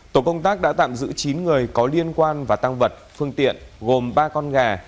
tổ công tác đã tạm giữ chín người có liên quan và tăng vật phương tiện gồm ba con gà